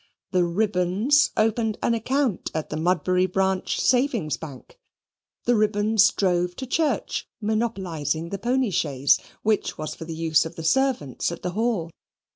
The Ribbons opened an account at the Mudbury Branch Savings Bank; the Ribbons drove to church, monopolising the pony chaise, which was for the use of the servants at the Hall.